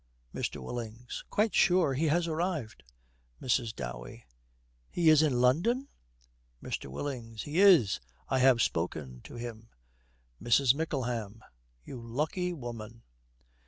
MR. WILLINGS. 'Quite sure. He has arrived.' MRS. DOWEY. 'He is in London?' MR. WILLINGS. 'He is. I have spoken to him.' MRS. MICKLEHAM. 'You lucky woman.'